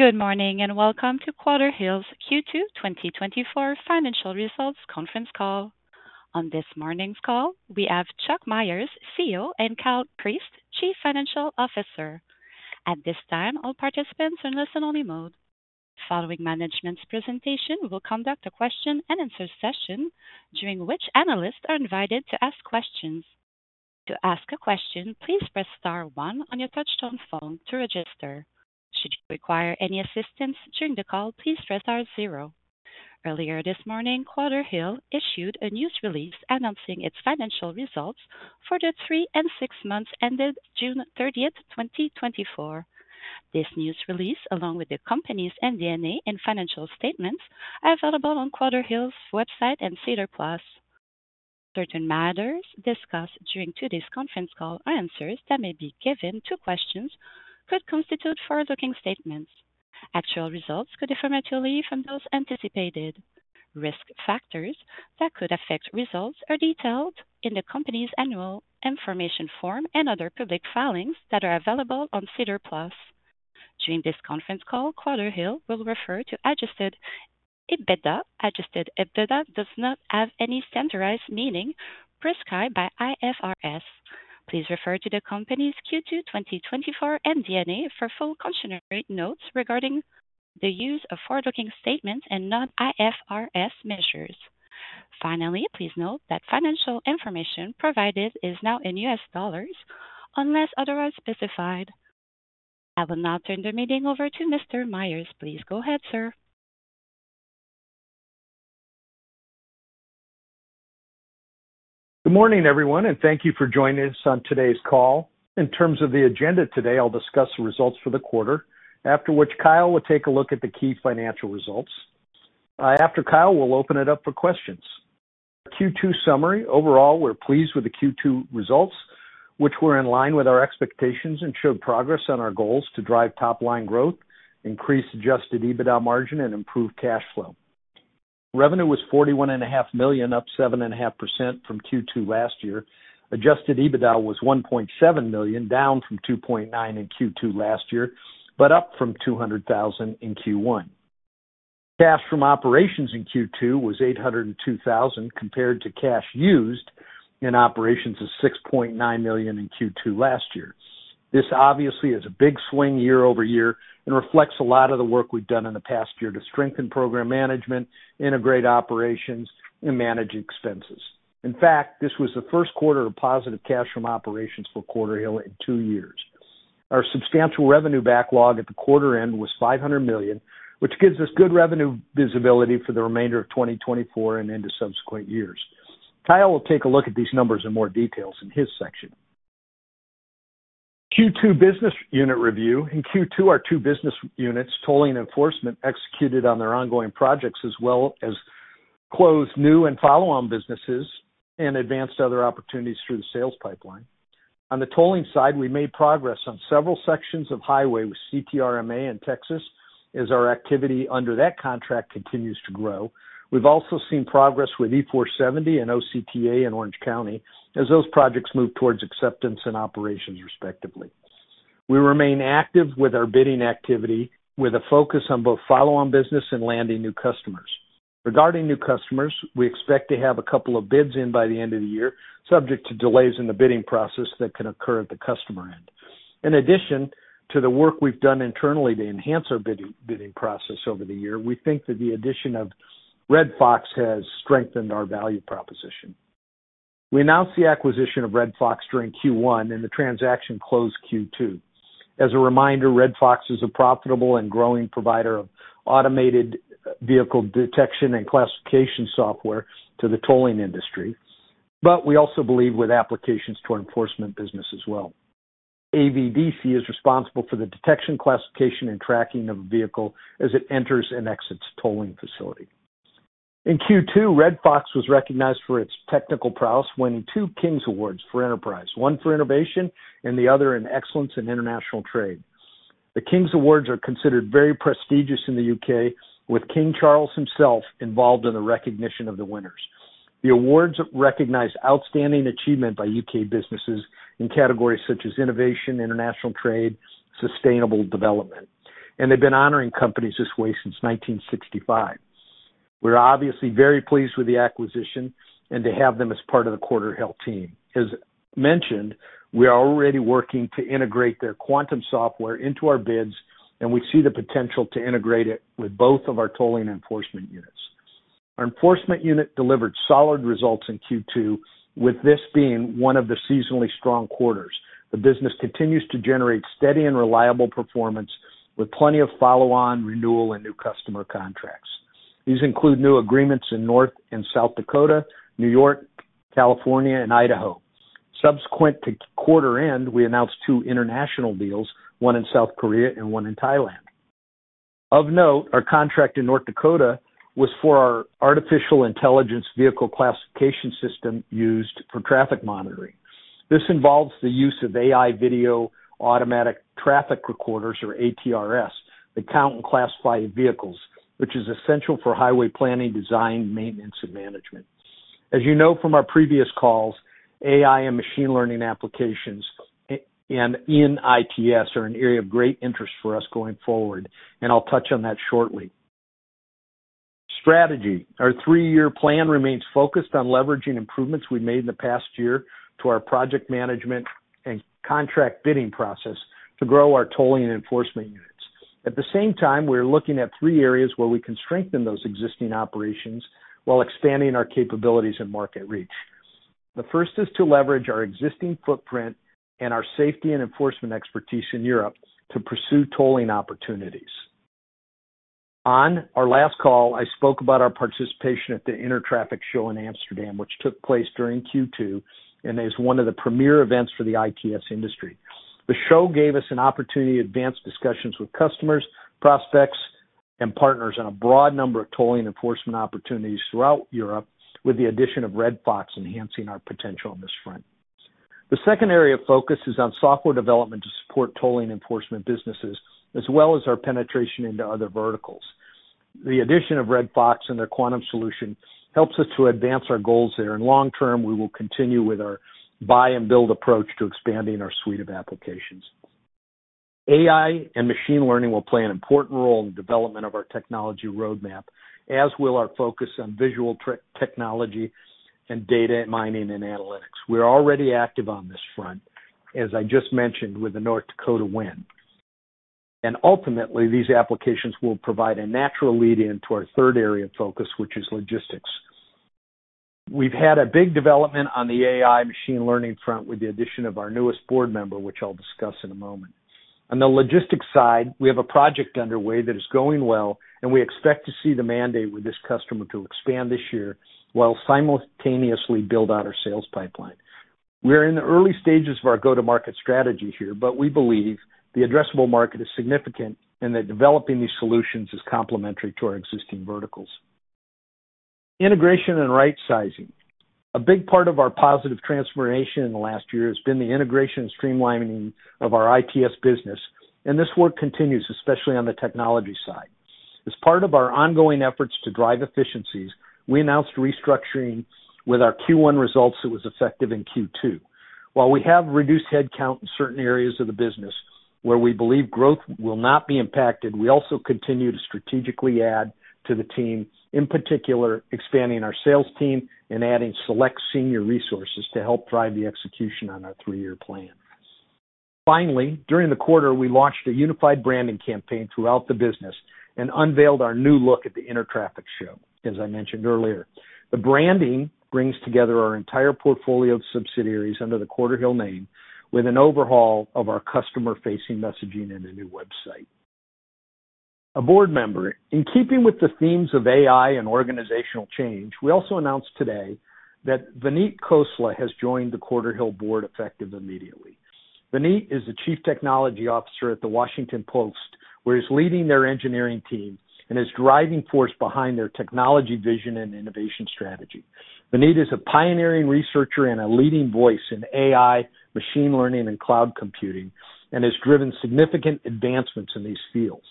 Good morning, and welcome to Quarterhill's Q2 2024 Financial Results Conference Call. On this morning's call, we have Chuck Myers, CEO, and Kyle Chriest, Chief Financial Officer. At this time, all participants are in listen-only mode. Following management's presentation, we will conduct a question-and-answer session during which analysts are invited to ask questions. To ask a question, please press star one on your touchtone phone to register. Should you require any assistance during the call, please press star zero. Earlier this morning, Quarterhill issued a news release announcing its financial results for the three and six months ended June 30, 2024. This news release, along with the company's MD&A and financial statements, are available on Quarterhill's website and SEDAR+. Certain matters discussed during today's conference call or answers that may be given to questions could constitute forward-looking statements. Actual results could differ materially from those anticipated. Risk factors that could affect results are detailed in the company's annual information form and other public filings that are available on SEDAR+. During this conference call, Quarterhill will refer to adjusted EBITDA. Adjusted EBITDA does not have any standardized meaning prescribed by IFRS. Please refer to the company's Q2 2024 MD&A for full cautionary notes regarding the use of forward-looking statements and non-IFRS measures. Finally, please note that financial information provided is now in U.S. dollars unless otherwise specified. I will now turn the meeting over to Mr. Myers. Please go ahead, sir. Good morning, everyone, and thank you for joining us on today's call. In terms of the agenda today, I'll discuss the results for the quarter, after which Kyle will take a look at the key financial results. After Kyle, we'll open it up for questions. Q2 summary. Overall, we're pleased with the Q2 results, which were in line with our expectations and showed progress on our goals to drive top-line growth, increase adjusted EBITDA margin, and improve cash flow. Revenue was $41.5 million, up 7.5% from Q2 last year. Adjusted EBITDA was $1.7 million, down from $2.9 million in Q2 last year, but up from $200,000 in Q1. Cash from operations in Q2 was $802,000, compared to cash used in operations of $6.9 million in Q2 last year. This obviously is a big swing year-over-year and reflects a lot of the work we've done in the past year to strengthen program management, integrate operations, and manage expenses. In fact, this was the first quarter of positive cash from operations for Quarterhill in two years. Our substantial revenue backlog at the quarter end was $500 million, which gives us good revenue visibility for the remainder of 2024 and into subsequent years. Kyle will take a look at these numbers in more details in his section. Q2 business unit review. In Q2, our two business units, tolling and enforcement, executed on their ongoing projects, as well as closed new and follow-on businesses and advanced other opportunities through the sales pipeline. On the tolling side, we made progress on several sections of highway with CTRMA in Texas, as our activity under that contract continues to grow. We've also seen progress with E-470 and OCTA in Orange County as those projects move towards acceptance and operations, respectively. We remain active with our bidding activity, with a focus on both follow-on business and landing new customers. Regarding new customers, we expect to have a couple of bids in by the end of the year, subject to delays in the bidding process that can occur at the customer end. In addition to the work we've done internally to enhance our bidding process over the year, we think that the addition of Red Fox has strengthened our value proposition. We announced the acquisition of Red Fox during Q1, and the transaction closed Q2. As a reminder, Red Fox is a profitable and growing provider of automated vehicle detection and classification software to the tolling industry, but we also believe with applications to our enforcement business as well. AVDC is responsible for the detection, classification, and tracking of a vehicle as it enters and exits tolling facility. In Q2, Red Fox was recognized for its technical prowess, winning two King's Awards for Enterprise, one for innovation and the other in excellence in international trade. The King's Awards are considered very prestigious in the U.K., with King Charles himself involved in the recognition of the winners. The awards recognize outstanding achievement by U.K. businesses in categories such as innovation, international trade, sustainable development, and they've been honoring companies this way since 1965. We're obviously very pleased with the acquisition and to have them as part of the Quarterhill team. As mentioned, we are already working to integrate their Quantum software into our bids, and we see the potential to integrate it with both of our tolling enforcement units. Our enforcement unit delivered solid results in Q2, with this being one of the seasonally strong quarters. The business continues to generate steady and reliable performance with plenty of follow-on, renewal, and new customer contracts. These include new agreements in North and South Dakota, New York, California, and Idaho. Subsequent to quarter end, we announced two international deals, one in South Korea and one in Thailand. Of note, our contract in North Dakota was for our artificial intelligence vehicle classification system used for traffic monitoring. This involves the use of AI video, automatic traffic recorders, or ATRs, that count and classify vehicles, which is essential for highway planning, design, maintenance, and management. As you know from our previous calls, AI and machine learning applications and in ITS are an area of great interest for us going forward, and I'll touch on that shortly. Strategy. Our three-year plan remains focused on leveraging improvements we made in the past year to our project management and contract bidding process to grow our tolling and enforcement units. At the same time, we're looking at three areas where we can strengthen those existing operations while expanding our capabilities and market reach. The first is to leverage our existing footprint and our safety and enforcement expertise in Europe to pursue tolling opportunities. On our last call, I spoke about our participation at the Intertraffic show in Amsterdam, which took place during Q2 and is one of the premier events for the ITS industry. The show gave us an opportunity to advance discussions with customers, prospects, and partners on a broad number of tolling enforcement opportunities throughout Europe, with the addition of Red Fox enhancing our potential on this front. The second area of focus is on software development to support tolling enforcement businesses, as well as our penetration into other verticals. The addition of Red Fox and their Quantum solution helps us to advance our goals there. In long term, we will continue with our buy and build approach to expanding our suite of applications. AI and machine learning will play an important role in the development of our technology roadmap, as will our focus on visual technology and data mining and analytics. We're already active on this front, as I just mentioned, with the North Dakota win. Ultimately, these applications will provide a natural lead-in to our third area of focus, which is logistics. We've had a big development on the AI machine learning front with the addition of our newest board member, which I'll discuss in a moment. On the logistics side, we have a project underway that is going well, and we expect to see the mandate with this customer to expand this year while simultaneously build out our sales pipeline. We are in the early stages of our go-to-market strategy here, but we believe the addressable market is significant and that developing these solutions is complementary to our existing verticals. Integration and rightsizing. A big part of our positive transformation in the last year has been the integration and streamlining of our ITS business, and this work continues, especially on the technology side. As part of our ongoing efforts to drive efficiencies, we announced restructuring with our Q1 results that was effective in Q2. While we have reduced headcount in certain areas of the business where we believe growth will not be impacted, we also continue to strategically add to the team, in particular, expanding our sales team and adding select senior resources to help drive the execution on our three-year plan. Finally, during the quarter, we launched a unified branding campaign throughout the business and unveiled our new look at the Intertraffic show, as I mentioned earlier. The branding brings together our entire portfolio of subsidiaries under the Quarterhill name, with an overhaul of our customer-facing messaging and a new website. A board member. In keeping with the themes of AI and organizational change, we also announced today that Vineet Khosla has joined the Quarterhill board, effective immediately. Vineet is the Chief Technology Officer at The Washington Post, where he's leading their engineering team and is driving force behind their technology, vision, and innovation strategy. Vineet is a pioneering researcher and a leading voice in AI, machine learning, and cloud computing, and has driven significant advancements in these fields.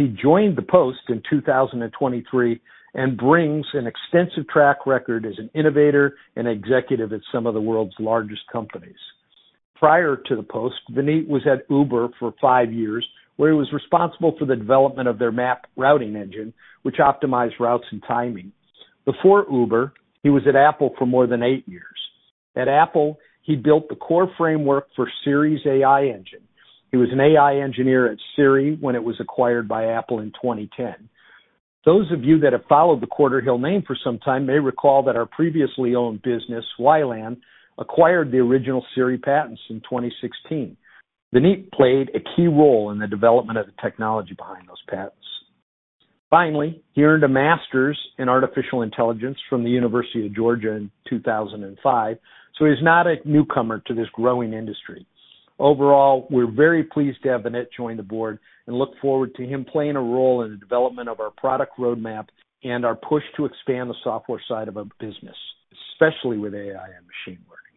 He joined the Post in 2023 and brings an extensive track record as an innovator and executive at some of the world's largest companies. Prior to the Post, Vineet was at Uber for five years, where he was responsible for the development of their map routing engine, which optimized routes and timing. Before Uber, he was at Apple for more than eight years. At Apple, he built the core framework for Siri's AI engine. He was an AI engineer at Siri when it was acquired by Apple in 2010. Those of you that have followed the Quarterhill name for some time may recall that our previously owned business, WiLAN, acquired the original Siri patents in 2016. Vineet played a key role in the development of the technology behind those patents. Finally, he earned a master's in artificial intelligence from the University of Georgia in 2005, so he's not a newcomer to this growing industry. Overall, we're very pleased to have Vineet join the board and look forward to him playing a role in the development of our product roadmap and our push to expand the software side of our business, especially with AI and machine learning.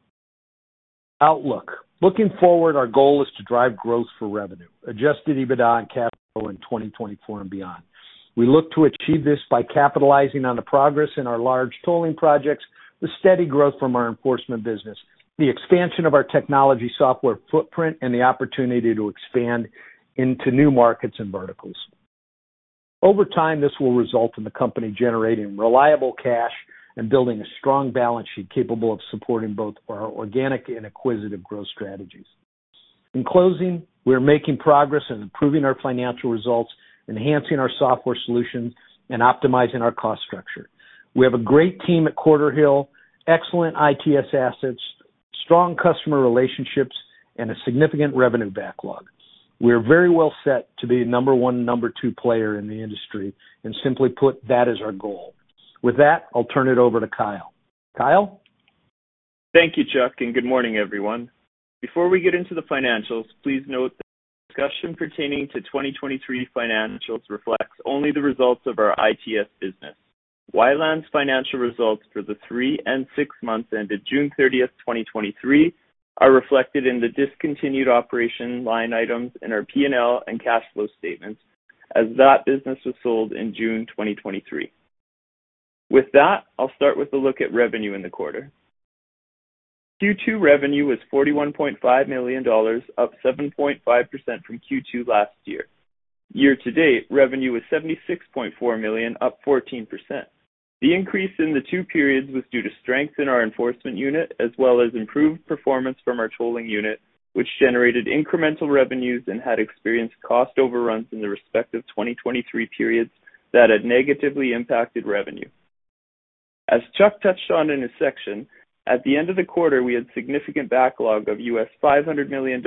Outlook. Looking forward, our goal is to drive growth for revenue, adjusted EBITDA and capital in 2024 and beyond. We look to achieve this by capitalizing on the progress in our large tolling projects, the steady growth from our enforcement business, the expansion of our technology software footprint, and the opportunity to expand into new markets and verticals. Over time, this will result in the company generating reliable cash and building a strong balance sheet capable of supporting both our organic and acquisitive growth strategies. In closing, we are making progress in improving our financial results, enhancing our software solutions, and optimizing our cost structure. We have a great team at Quarterhill, excellent ITS assets, strong customer relationships, and a significant revenue backlog. We are very well set to be a number one and number two player in the industry, and simply put, that is our goal. With that, I'll turn it over to Kyle. Kyle? Thank you, Chuck, and good morning, everyone. Before we get into the financials, please note that the discussion pertaining to 2023 financials reflects only the results of our ITS business. WiLAN's financial results for the three and six months ended June 30, 2023, are reflected in the discontinued operation line items in our P&L and cash flow statements, as that business was sold in June 2023. With that, I'll start with a look at revenue in the quarter. Q2 revenue was $41.5 million, up 7.5% from Q2 last year. Year-to-date, revenue was $76.4 million, up 14%. The increase in the two periods was due to strength in our enforcement unit, as well as improved performance from our tolling unit, which generated incremental revenues and had experienced cost overruns in the respective 2023 periods that had negatively impacted revenue. As Chuck touched on in his section, at the end of the quarter, we had significant backlog of $500 million,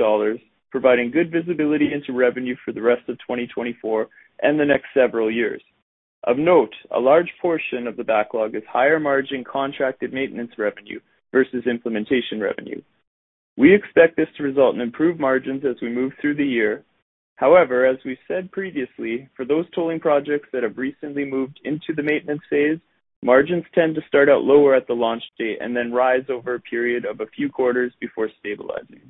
providing good visibility into revenue for the rest of 2024 and the next several years. Of note, a large portion of the backlog is higher margin contracted maintenance revenue versus implementation revenue. We expect this to result in improved margins as we move through the year. However, as we've said previously, for those tolling projects that have recently moved into the maintenance phase, margins tend to start out lower at the launch date and then rise over a period of a few quarters before stabilizing.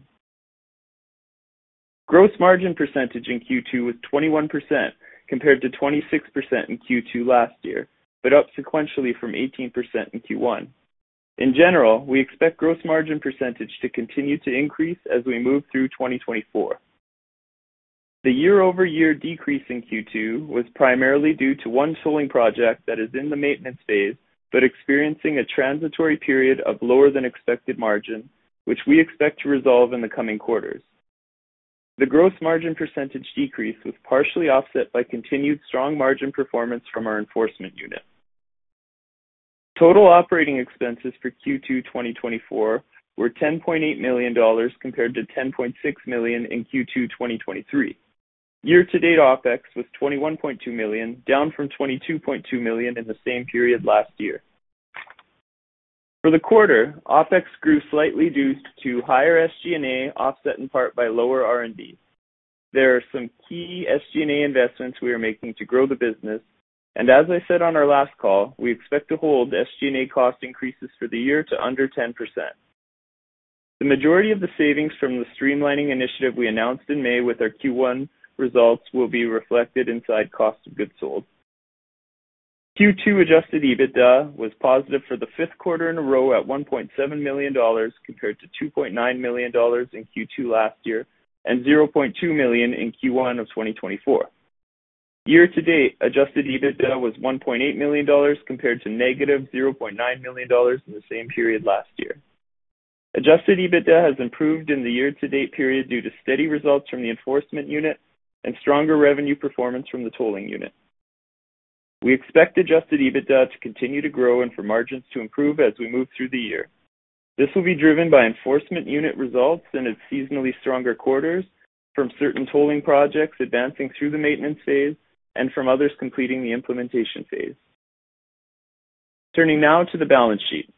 Gross margin percentage in Q2 was 21%, compared to 26% in Q2 last year, but up sequentially from 18% in Q1. In general, we expect gross margin percentage to continue to increase as we move through 2024. The year-over-year decrease in Q2 was primarily due to one tolling project that is in the maintenance phase, but experiencing a transitory period of lower than expected margin, which we expect to resolve in the coming quarters. The gross margin percentage decrease was partially offset by continued strong margin performance from our enforcement unit. Total operating expenses for Q2 2024 were $10.8 million, compared to $10.6 million in Q2 2023. Year-to-date, OpEx was $21.2 million, down from $22.2 million in the same period last year. For the quarter, OpEx grew slightly due to higher SG&A, offset in part by lower R&D. There are some key SG&A investments we are making to grow the business, and as I said on our last call, we expect to hold SG&A cost increases for the year to under 10%. The majority of the savings from the streamlining initiative we announced in May with our Q1 results will be reflected inside cost of goods sold. Q2 Adjusted EBITDA was positive for the fifth quarter in a row at $1.7 million, compared to $2.9 million in Q2 last year, and $0.2 million in Q1 of 2024. Year-to-date, adjusted EBITDA was $1.8 million, compared to negative $0.9 million in the same period last year. Adjusted EBITDA has improved in the year-to-date period due to steady results from the enforcement unit and stronger revenue performance from the tolling unit. We expect adjusted EBITDA to continue to grow and for margins to improve as we move through the year. This will be driven by enforcement unit results in its seasonally stronger quarters from certain tolling projects advancing through the maintenance phase and from others completing the implementation phase. Turning now to the balance sheet.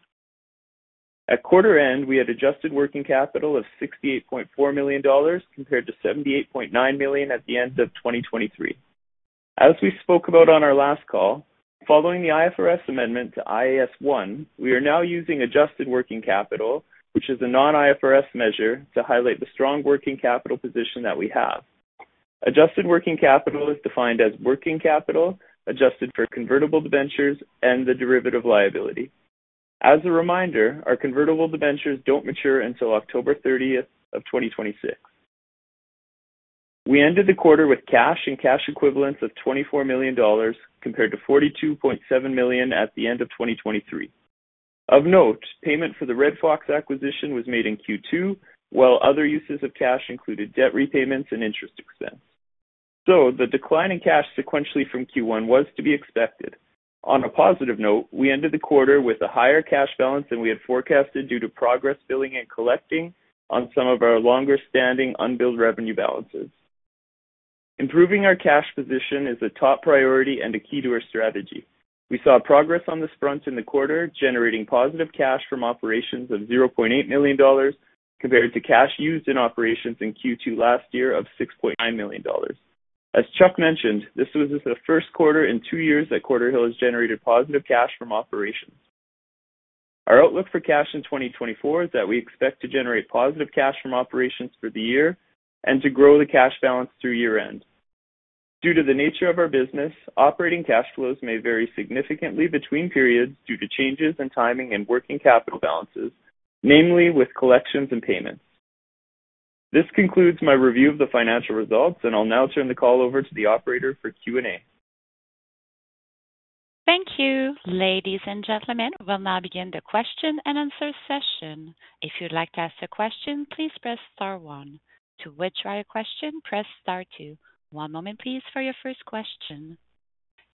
At quarter end, we had adjusted working capital of $68.4 million, compared to $78.9 million at the end of 2023. As we spoke about on our last call, following the IFRS amendment to IAS 1, we are now using adjusted working capital, which is a non-IFRS measure, to highlight the strong working capital position that we have. Adjusted working capital is defined as working capital, adjusted for convertible debentures and the derivative liability. As a reminder, our convertible debentures don't mature until October 30, 2026. We ended the quarter with cash and cash equivalents of $24 million, compared to $42.7 million at the end of 2023. Of note, payment for the Red Fox acquisition was made in Q2, while other uses of cash included debt repayments and interest expense. So the decline in cash sequentially from Q1 was to be expected. On a positive note, we ended the quarter with a higher cash balance than we had forecasted due to progress billing and collecting on some of our longer-standing unbilled revenue balances. Improving our cash position is a top priority and a key to our strategy. We saw progress on this front in the quarter, generating positive cash from operations of $0.8 million, compared to cash used in operations in Q2 last year of $6.9 million. As Chuck mentioned, this was the first quarter in two years that Quarterhill has generated positive cash from operations. Our outlook for cash in 2024 is that we expect to generate positive cash from operations for the year and to grow the cash balance through year-end. Due to the nature of our business, operating cash flows may vary significantly between periods due to changes in timing and working capital balances, namely with collections and payments. This concludes my review of the financial results, and I'll now turn the call over to the operator for Q&A. Thank you. Ladies and gentlemen, we'll now begin the question-and-answer session. If you'd like to ask a question, please press star one. To withdraw your question, press star two. One moment, please, for your first question.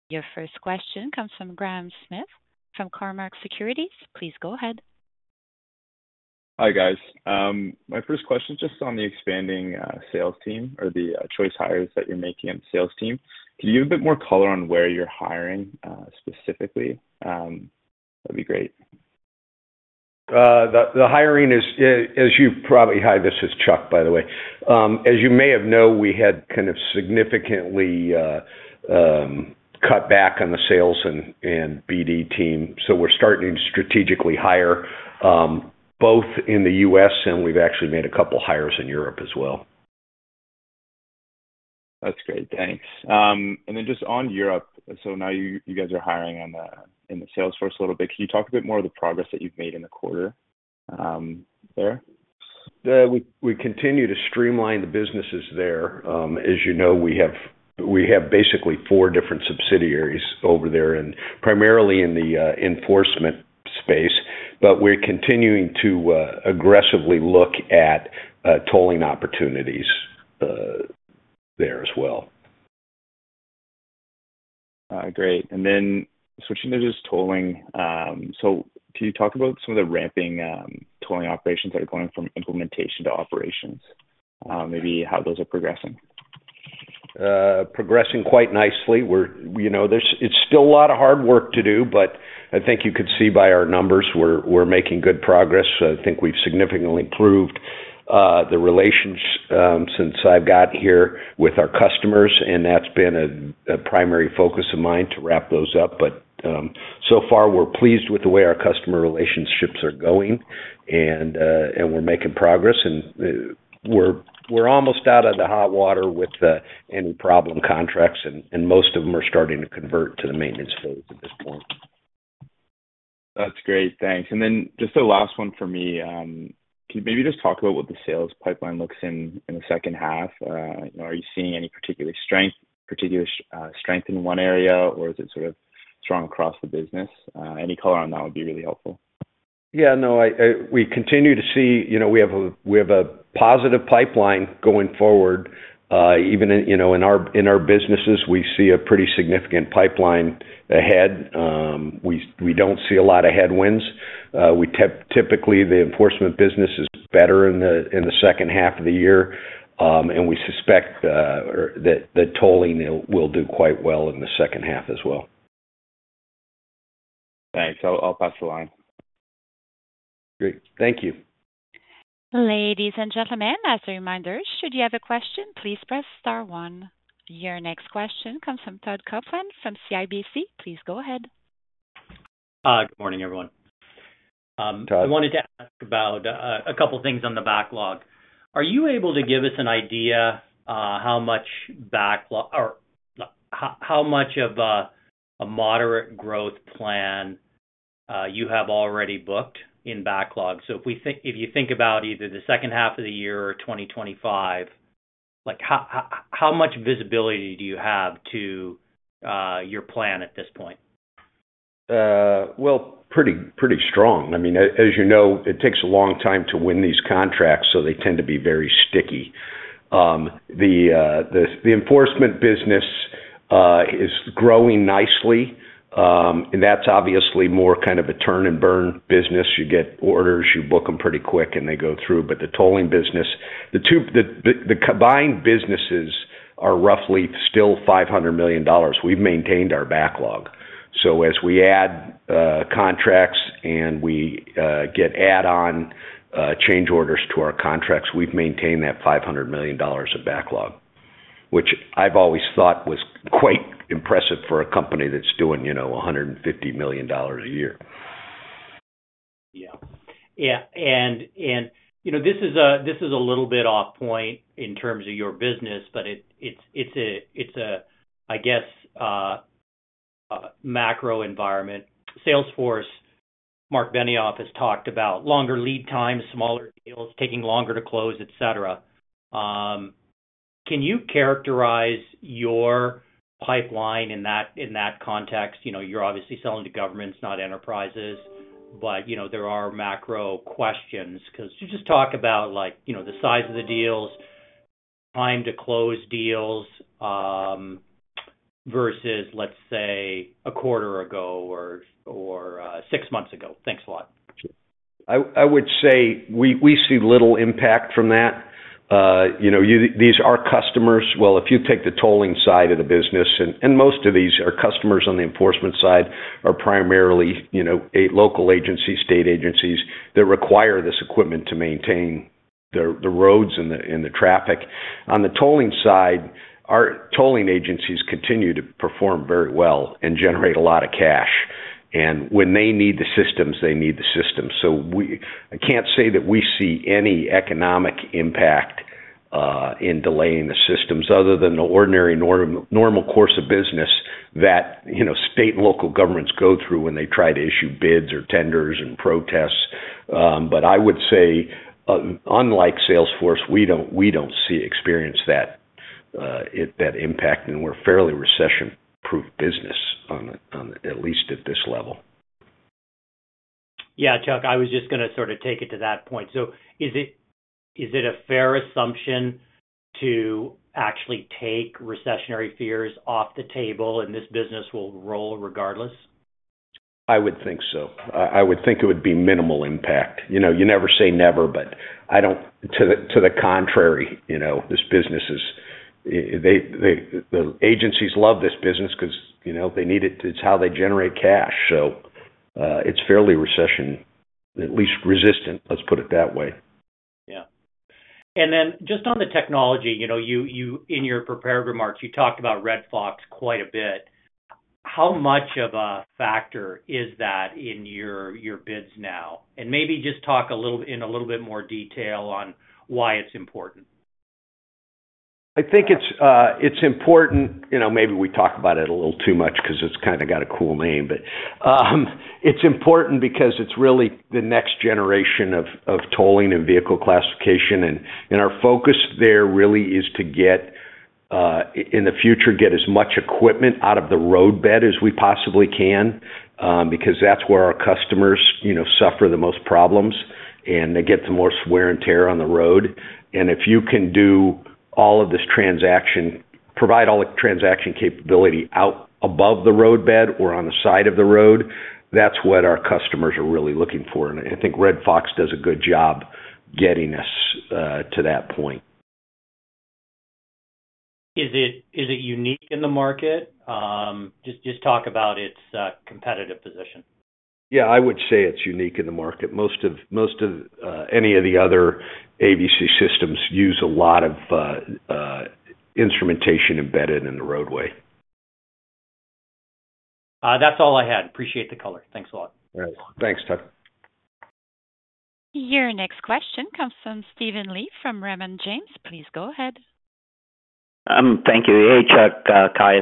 Your first question comes from Graham Smith from Cormark Securities. Please go ahead. Hi, guys. My first question is just on the expanding sales team or the choice hires that you're making on the sales team. Can you give a bit more color on where you're hiring, specifically? That'd be great. Hi, this is Chuck, by the way. As you may have known, we had kind of significantly cut back on the sales and BD team, so we're starting to strategically hire. Both in the U.S., and we've actually made a couple hires in Europe as well. That's great. Thanks. And then just on Europe, so now you, you guys are hiring on the, in the sales force a little bit. Can you talk a bit more of the progress that you've made in the quarter, there? Yeah, we continue to streamline the businesses there. As you know, we have basically four different subsidiaries over there, and primarily in the enforcement space, but we're continuing to aggressively look at tolling opportunities there as well. Great. And then switching to just tolling, so can you talk about some of the ramping tolling operations that are going from implementation to operations? Maybe how those are progressing. Progressing quite nicely. We're, you know, it's still a lot of hard work to do, but I think you could see by our numbers, we're making good progress. I think we've significantly improved the relations since I've got here with our customers, and that's been a primary focus of mine to wrap those up. But so far, we're pleased with the way our customer relationships are going, and we're making progress, and we're almost out of the hot water with any problem contracts, and most of them are starting to convert to the maintenance phase at this point. That's great. Thanks. And then just the last one for me, can you maybe just talk about what the sales pipeline looks like in the second half? Are you seeing any particular strength in one area, or is it sort of strong across the business? Any color on that would be really helpful. Yeah, no, we continue to see.. You know, we have a positive pipeline going forward. Even in, you know, in our businesses, we see a pretty significant pipeline ahead. We don't see a lot of headwinds. Typically, the enforcement business is better in the second half of the year, and we suspect or that the tolling will do quite well in the second half as well. Thanks. I'll pass the line. Great. Thank you. Ladies and gentlemen, as a reminder, should you have a question, please press star one. Your next question comes from Todd Coupland from CIBC. Please go ahead. Good morning, everyone. I wanted to ask about a couple things on the backlog. Are you able to give us an idea how much backlog or how much of a moderate growth plan you have already booked in backlog? So if we think—if you think about either the second half of the year or 2025, like, how much visibility do you have to your plan at this point? Well, pretty, pretty strong. I mean, as you know, it takes a long time to win these contracts, so they tend to be very sticky. The enforcement business is growing nicely, and that's obviously more kind of a turn-and-burn business. You get orders, you book them pretty quick, and they go through. But the tolling business, the two combined businesses are roughly still $500 million. We've maintained our backlog. So as we add contracts and we get add-on change orders to our contracts, we've maintained that $500 million of backlog, which I've always thought was quite impressive for a company that's doing, you know, $150 million a year. Yeah, and, and, you know, this is a, this is a little bit off point in terms of your business, but it, it's a, I guess, a macro environment. Salesforce, Marc Benioff has talked about longer lead times, smaller deals, taking longer to close, et cetera. Can you characterize your pipeline in that, in that context? You know, you're obviously selling to governments, not enterprises, but, you know, there are macro questions, 'cause you just talk about like, you know, the size of the deals, time to close deals, versus, let's say, a quarter ago or, or, six months ago. Thanks a lot. I would say we see little impact from that. You know, these are customers. Well, if you take the tolling side of the business, and most of these are customers on the enforcement side, are primarily, you know, a local agency, state agencies, that require this equipment to maintain the roads and the traffic. On the tolling side, our tolling agencies continue to perform very well and generate a lot of cash, and when they need the systems, they need the systems. So I can't say that we see any economic impact in delaying the systems other than the ordinary, normal course of business that, you know, state and local governments go through when they try to issue bids or tenders and protests. But I would say, unlike Salesforce, we don't see experience that impact, and we're a fairly recession-proof business, at least at this level. Yeah, Chuck, I was just gonna sort of take it to that point. So is it, is it a fair assumption to actually take recessionary fears off the table and this business will roll regardless? I would think so. I would think it would be minimal impact. You know, you never say never, but I don't. To the contrary, you know, this business is, they, the agencies love this business 'cause, you know, they need it. It's how they generate cash. So, it's fairly recession, at least resistant, let's put it that way. And then just on the technology, you know, in your prepared remarks, you talked about Red Fox quite a bit. How much of a factor is that in your bids now? And maybe just talk a little, in a little bit more detail on why it's important. I think it's important, you know, maybe we talk about it a little too much 'cause it's kinda got a cool name. But, it's important because it's really the next generation of tolling and vehicle classification. And our focus there really is to get in the future get as much equipment out of the roadbed as we possibly can, because that's where our customers, you know, suffer the most problems, and they get the more wear and tear on the road. And if you can do all of this transaction, provide all the transaction capability out above the roadbed or on the side of the road, that's what our customers are really looking for, and I think Red Fox does a good job getting us to that point. Is it unique in the market? Just talk about its competitive position. Yeah, I would say it's unique in the market. Most of any of the other AVC systems use a lot of instrumentation embedded in the roadway. That's all I had. Appreciate the color. Thanks a lot. All right. Thanks, Todd. Your next question comes from Steven Li from Raymond James. Please go ahead. Thank you. Hey, Chuck, Kyle.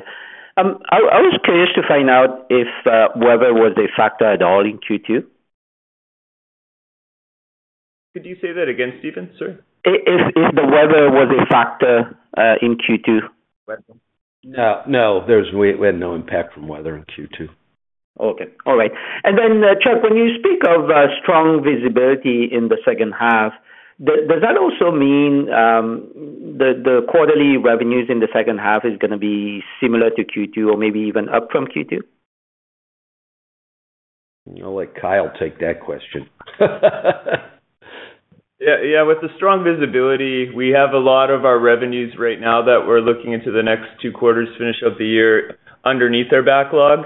I was curious to find out if weather was a factor at all in Q2? Could you say that again, Steven, sir? If, if the weather was a factor in Q2? No, no, we had no impact from weather in Q2. Okay. All right. And then, Chuck, when you speak of strong visibility in the second half, does that also mean the quarterly revenues in the second half is gonna be similar to Q2 or maybe even up from Q2? I'll let Kyle take that question. Yeah, with the strong visibility, we have a lot of our revenues right now that we're looking into the next two quarters to finish up the year underneath our backlog.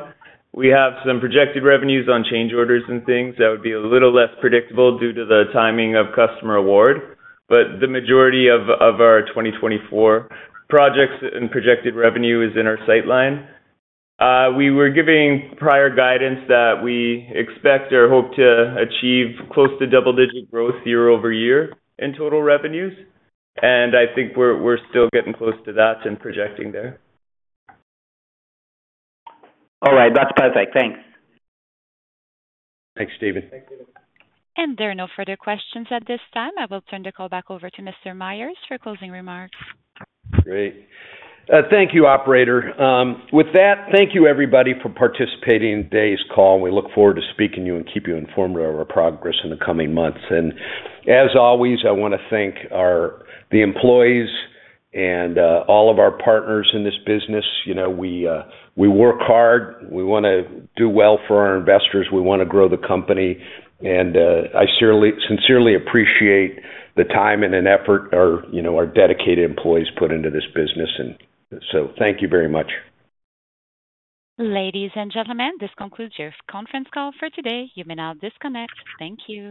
We have some projected revenues on change orders and things that would be a little less predictable due to the timing of customer award, but the majority of our 2024 projects and projected revenue is in our sight line. We were giving prior guidance that we expect or hope to achieve close to double-digit growth year-over-year in total revenues, and I think we're still getting close to that and projecting there. All right. That's perfect. Thanks. Thanks, Steven. There are no further questions at this time. I will turn the call back over to Mr. Myers for closing remarks. Great. Thank you, operator. With that, thank you everybody for participating in today's call, and we look forward to speaking to you and keep you informed of our progress in the coming months. And as always, I wanna thank our the employees and all of our partners in this business. You know, we, we work hard. We wanna do well for our investors. We wanna grow the company, and I sincerely, sincerely appreciate the time and an effort our, you know, our dedicated employees put into this business, and so thank you very much. Ladies and gentlemen, this concludes your conference call for today. You may now disconnect. Thank you.